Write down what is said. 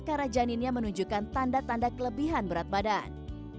karena janinnya menunjukkan tanda tanda kelebihan berat badan